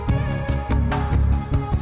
kamu gak mau motoin aku